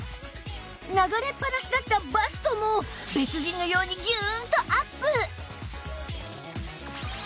流れっぱなしだったバストも別人のようにギューンとアップ